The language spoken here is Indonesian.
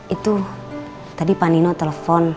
itu tadi panino telepon